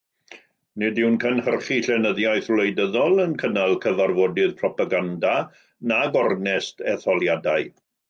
Nid yw'n cynhyrchu llenyddiaeth wleidyddol, yn cynnal cyfarfodydd propaganda na gornest etholiadau.